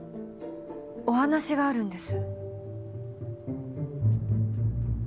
お話があるんです。